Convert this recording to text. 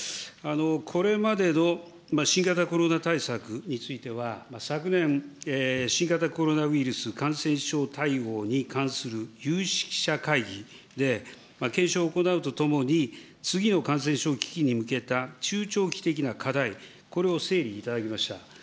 これまでの新型コロナ対策については、昨年、新型コロナウイルス感染症対応に関する有識者会議で検証を行うとともに、次の感染症危機に向けた中長期的な課題、これを整理いただきました。